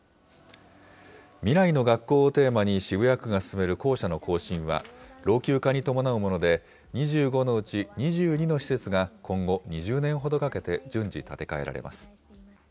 未来の学校をテーマに渋谷区が進める校舎の更新は、老朽化に伴うもので、２５のうち２２の施設が今後、２０年ほどかけて順次建て替えられます。